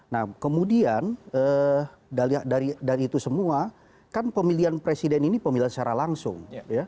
nah kemudian dari itu semua kan pemilihan presiden ini pemilihan secara langsung